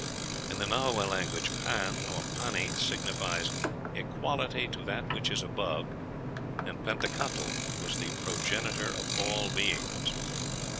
In the Nahua language pan, or pani, signifies "equality to that which is above," and Pentecatl was the progenitor of all beings.